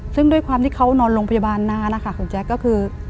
ซึ่งด้วยความที่เขานอนโรงพยาบาลนานนะคะคุณแจ๊คก็คือ